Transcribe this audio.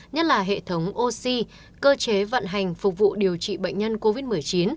nhất là hệ thống oxy cơ chế vận hành phục vụ điều trị bệnh nhân covid một mươi chín